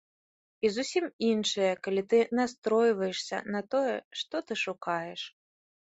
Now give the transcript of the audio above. І зусім іншая, калі ты настройваешся на тое, што ты шукаеш.